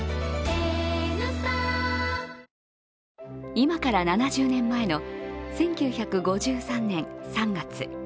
今から７０年前の１９５３年３月。